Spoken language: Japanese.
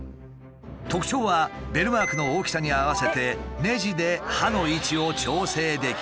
特徴はベルマークの大きさに合わせてねじで刃の位置を調整できること。